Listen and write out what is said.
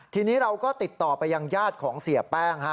ทีนี้เราก็ติดต่อไปยังญาติของเสียแป้ง